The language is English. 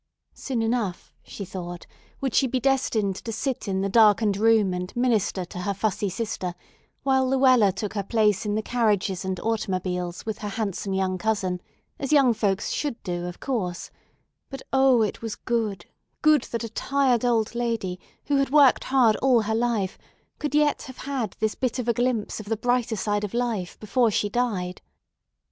Soon enough, she thought, would she be destined to sit in the darkened room and minister to her fussy sister, while Luella took her place in the carriages and automobiles with her handsome young cousin, as young folks should do, of course; but O, it was good, good, that a tired old lady, who had worked hard all her life, could yet have had this bit of a glimpse of the brighter side of life before she died.